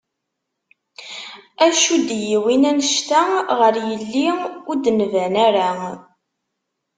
Acu d-yiwin anect-a ɣer yelli ur d-nban ara?